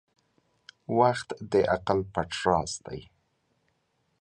• وخت د عقل پټ راز دی.